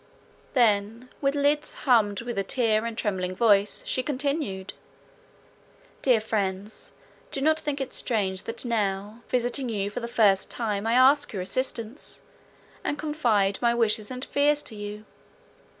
Then, with lids humid with a tear and trembling voice, she continued— "Dear friends, do not think it strange that now, visiting you for the first time, I ask your assistance, and confide my wishes and fears to you.